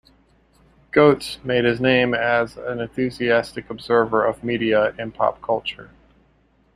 Goetz made his name as an enthusiastic observer of media and pop culture.